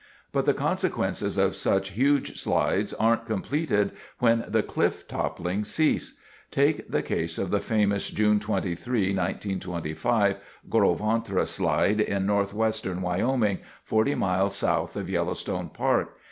But the consequences of such huge slides aren't completed when the cliff toppling ceases. Take the case of the famous June 23, 1925, Gros Ventre slide in northwestern Wyoming, 40 miles south of Yellowstone Park.